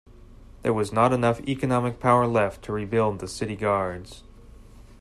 There was not enough economic power left to rebuild the city guards.